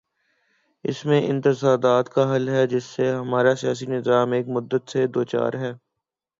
اس میں ان تضادات کا حل ہے، جن سے ہمارا سیاسی نظام ایک مدت سے دوچار ہے۔